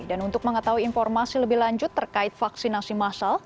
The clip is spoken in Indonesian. dan untuk mengetahui informasi lebih lanjut terkait vaksinasi masal